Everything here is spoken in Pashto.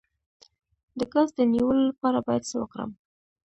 د ګاز د نیولو لپاره باید څه وکړم؟